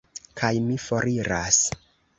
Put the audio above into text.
Kaj mi foriras.